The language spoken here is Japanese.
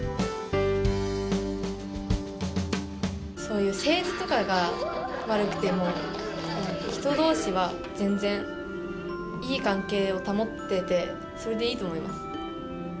「そういう政治とかが悪くても人同士は全然いい関係を保っててそれでいいと思います」。